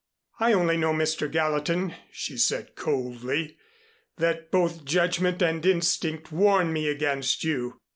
"I only know, Mr. Gallatin," she said coldly, "that both judgment and instinct warn me against you.